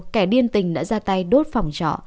kẻ điên tình đã ra tay đốt phòng trọ